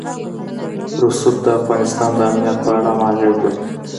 رسوب د افغانستان د امنیت په اړه هم اغېز لري.